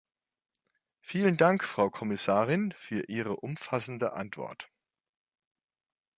Vielen Dank, Frau Kommissarin, für Ihre umfassende Antwort.